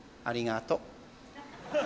ありがと。